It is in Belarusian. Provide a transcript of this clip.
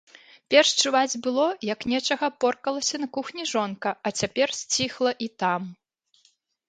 Перш чуваць было, як нечага поркалася на кухні жонка, а цяпер сціхла і там.